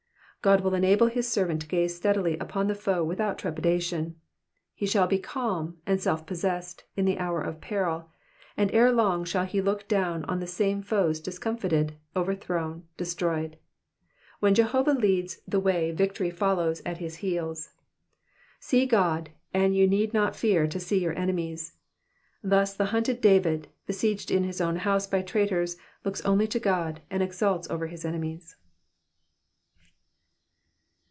God will enable his servant to gaze steadily upon the foe without trepidation ; he shall be calm, and self possessed, in the hour of peril ; and ere long he shall look down on the same foes discomfited, overthrown, destroyed. When Jehovah leads the way victory follows at his heels. See God, and you need not fear to see your enemies. Thus the hunted David, besieged in his own house by traitors, looks only to God, and exults over his enemies.